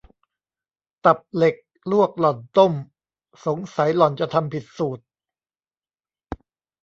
ตับเหล็กลวกหล่อนต้ม สงสัยหล่อนจะทำผิดสูตร